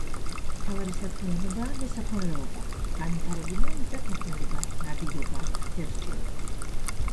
მთავარი საქმიანობაა მესაქონლეობა, განვითარებულია მიწათმოქმედება, ნადირობა, თევზჭერა.